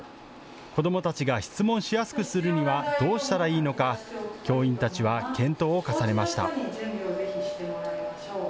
子どもたちが質問しやすくするにはどうしたらいいのか、教員たちは検討を重ねました。